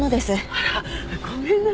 あらごめんなさいね。